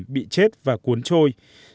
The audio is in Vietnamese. bị chết và cuốn trôi